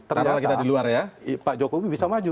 ternyata pak jokowi bisa maju